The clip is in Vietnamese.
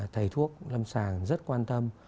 thầy thuốc lâm sàng rất quan tâm